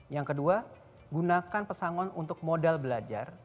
yang kedua gunakan pesangon untuk modal belajar